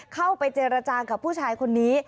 เข้าไปเจรจากับผู้ชายคนนี้